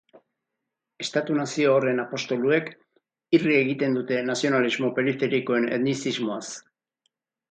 Estatu-nazio horren apostoluek irri egiten dute nazionalismo periferikoen etnizismoaz.